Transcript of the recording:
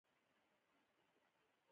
مینه د خلکو ترمنځ نفرت له منځه وړي.